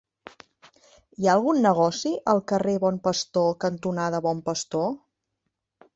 Hi ha algun negoci al carrer Bon Pastor cantonada Bon Pastor?